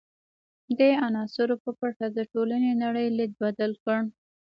دې عناصرو په پټه د ټولنې نړۍ لید بدل کړ.